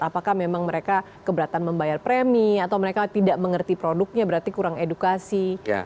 apakah memang mereka keberatan membayar premi atau mereka tidak mengerti produknya berarti kurang edukasi